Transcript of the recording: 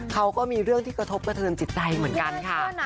เขาก็มีเรื่องที่กระทบกระเทินจิตใจเหมือนกันค่ะ